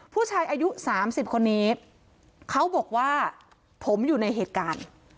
ผู้ชายอายุ๓๐คนนี้เขาบอกว่าผมอยู่ในเหตุการณ์